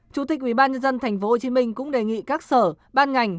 chủ tịch ủy ban nhân dân tp hcm cũng đề nghị các sở ban ngành